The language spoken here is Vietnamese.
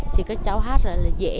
thì các cháu hát ra là dễ